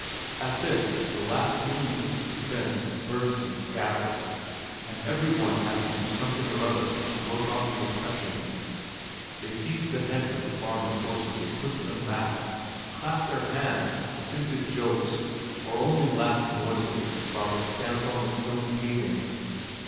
At this the last remnants of suspense burst and scattered, and every one had to do something or other to work off the oppression. They seized the heads of the farmers' horses and pushed them back, clapped their hands, attempted jokes, or only laughed noisily while they stamped on the stone paving.